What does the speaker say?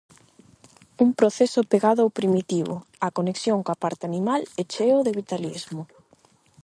Un proceso pegado ao primitivo, á conexión coa parte animal e cheo de vitalismo.